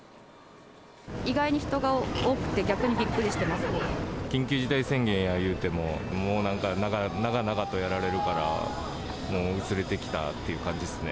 意外に人が多くて、逆にびっ緊急事態宣言やいうても、もうなんか、長々とやられるから、もう薄れてきたって感じっすね。